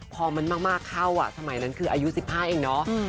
พอมันมากเข้าสมัยนั้นคืออายุ๑๕เองเนาะ